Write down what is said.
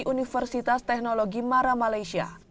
universitas teknologi mara malaysia